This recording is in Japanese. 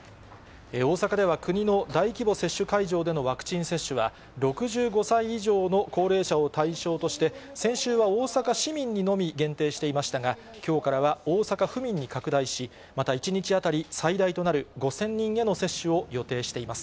大阪では、国の大規模接種会場でのワクチン接種は、６５歳以上の高齢者を対象として、先週は大阪市民にのみ、限定していましたが、きょうからは大阪府民に拡大し、また１日当たり最大となる５０００人への接種を予定しています。